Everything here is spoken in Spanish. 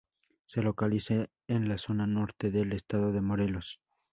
Se localiza en la zona norte del estado de Morelos.